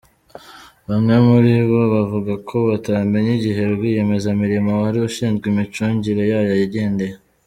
Bamwe muri bo bavuga ko batamenye igihe rwiyemezamirimo wari ushinzwe imicungire yayo yagendye.